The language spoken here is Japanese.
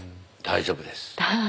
大丈夫です。